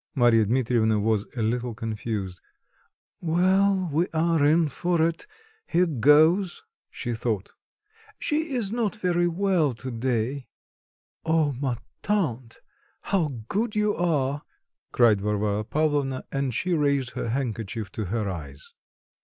Marya Dmitrievna was a little confused. "Well! we are in for it! here goes!" she thought. "She is not very well to day." "O ma tante, how good you are!" cried Varvara Pavlovna, and she raised her handkerchief to her eyes.